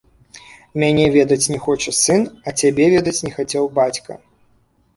Мяне ведаць не хоча сын, а цябе ведаць не хацеў бацька.